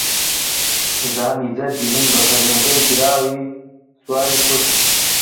زامی جەرگی من بە فەرموودەی گراوی سواری کورد